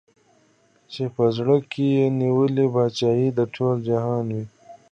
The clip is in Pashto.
چي په زړه کي یې نیولې پاچهي د ټول جهان وي